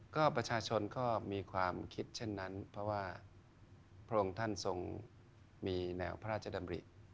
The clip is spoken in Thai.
ก็ประชาชนก็มีความคิดเช่นนั้นเพราะว่าพระองค์ท่านทรงมีแนวพระราชดำริ